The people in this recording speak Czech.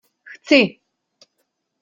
Chci!